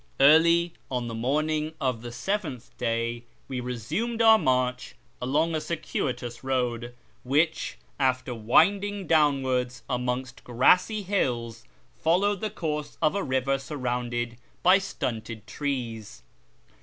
Early on the morning of the seventh day we resumed our march along a circuitous road, which, after winding downwards amongst grassy hills, followed the course of a river surrounded by stunted trees.